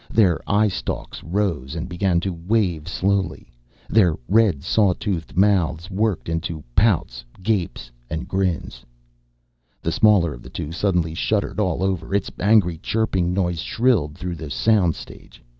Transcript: Their eye stalks rose and began to wave slowly. Their red saw toothed mouths worked into pouts, gapes and grins. The smaller of the two suddenly shuddered all over. Its angry chirping noise shrilled through the sound stage.